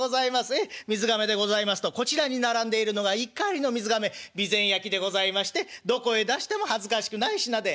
ええ水がめでございますとこちらに並んでいるのが一荷入りの水がめ備前焼でございましてどこへ出しても恥ずかしくない品で」。